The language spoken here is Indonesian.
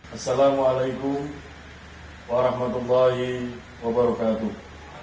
assalamu alaikum warahmatullahi wabarakatuh